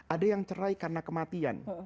ada yang cerai karena kematian